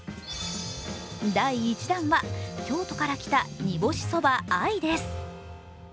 第１弾は京都から来た煮干そば藍です。